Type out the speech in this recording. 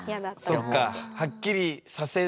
そっか。